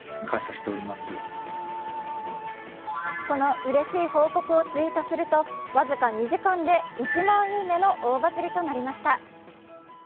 このうれしい報告をツイートすると、僅か２時間でわずか２時間で１万「いいね」の大バズりとなりました。